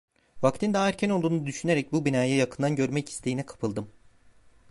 Vaktin daha erken olduğunu düşünerek bu binayı yakından görmek isteğine kapıldım.